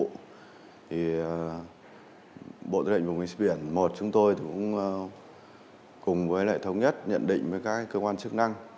thì bộ tư lệnh bộng hình sức biển một chúng tôi cũng cùng với lệ thống nhất nhận định với các cơ quan chức năng